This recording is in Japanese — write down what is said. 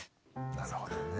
なるほどね。